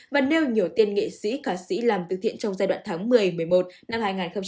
và nêu nhiều tiền nghệ sĩ khả sĩ làm từ thiện trong giai đoạn tháng một mươi một mươi một năm hai nghìn hai mươi